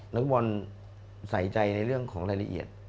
นักฟุตบอลใส่ใจในเรื่องของรายละเอียด